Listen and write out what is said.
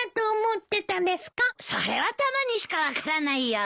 それはタマにしか分からないよ。